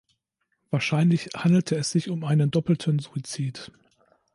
Wahrscheinlich handelte es sich um einen doppelten Suizid.